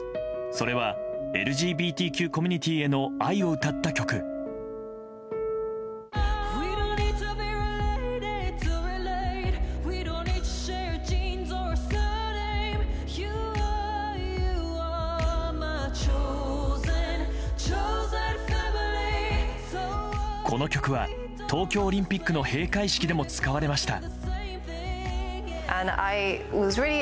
それはＬＧＢＴＱコミュニティーへの愛を歌った曲この曲は、東京オリンピックの閉会式でも使われました。